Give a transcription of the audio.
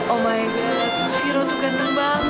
oh my god viro tuh ganteng banget